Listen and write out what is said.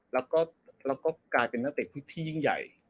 แล้วก็กลายเป็นนักเตะที่ยิ่งใหญ่